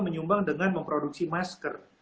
menyumbang dengan memproduksi masker